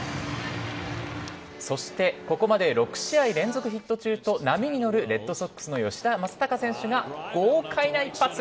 そして、ここまで６試合連続ヒット中と波に乗るレッドソックスの吉田正尚選手が豪快な一発。